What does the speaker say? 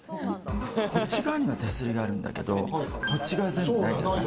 こっち側には手すりがあるんだけど、こっち側全部ないじゃない。